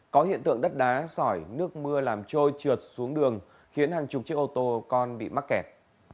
có hiện tượng đất đá sỏi nước mưa làm trôi trượt xuống đường khiến hàng chục chiếc ô tô con bị mắc kẹt